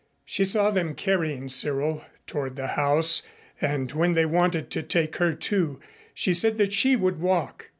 She saw them carrying Cyril toward the house, and when they wanted to take her, too, she said that she would walk.